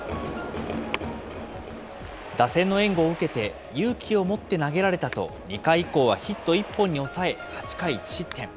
打線の援護を受けて勇気を持って投げられたと、２回以降はヒット１本に抑え、８回１失点。